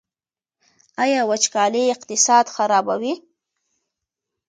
آیا وچکالي اقتصاد خرابوي؟